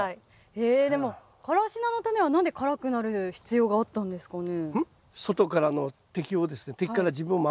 でもカラシナのタネは何で辛くなる必要があったんですかね？